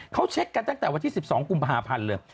เขาเช็คกันตั้งแต่วันที่๑๒กุมภาพันธ์เลย